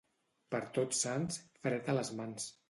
Per Tots Sants, fred a les mans.